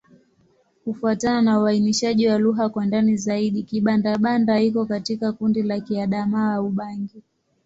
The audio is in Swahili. Kufuatana na uainishaji wa lugha kwa ndani zaidi, Kibanda-Banda iko katika kundi la Kiadamawa-Ubangi.